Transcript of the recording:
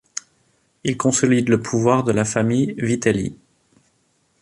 Il consolide le pouvoir de la famille Vitelli.